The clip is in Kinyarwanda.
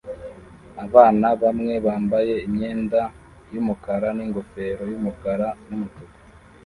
Abana bamwe bambaye imyenda yumukara ningofero yumukara numutuku